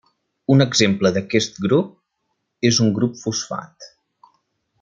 Un exemple d'aquest grup és un grup fosfat.